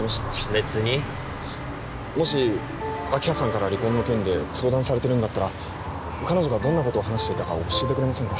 別にもし明葉さんから離婚の件で相談されてるんだったら彼女がどんなことを話していたか教えてくれませんか？